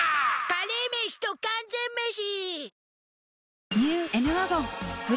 カレーメシと完全メシ